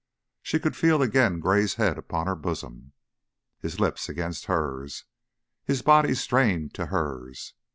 She could feel again Gray's head upon her bosom, his lips against hers, his body strained to hers.